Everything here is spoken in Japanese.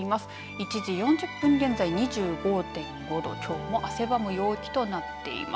１時４０分現在２５．５度きょうも汗ばむ陽気となっています。